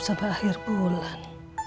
sampai akhir bulan